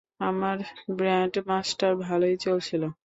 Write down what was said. আমার band master ভালোই চলছিলো।